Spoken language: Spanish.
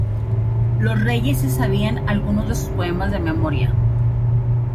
Los reyes se sabían algunos de sus poemas de memoria.